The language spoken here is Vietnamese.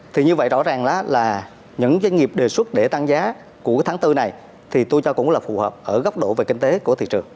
thì như vậy rõ ràng là những doanh nghiệp đề xuất để tăng giá của tháng bốn này thì tôi cho cũng là phù hợp ở góc độ về kinh tế của thị trường